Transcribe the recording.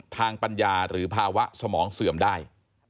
ปัญญาหรือภาวะสมองเสื่อมได้